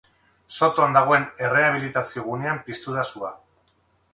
Sotoan dagoen errehabilitazio gunean piztu da sua.